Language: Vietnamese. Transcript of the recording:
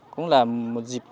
cũng là một dịp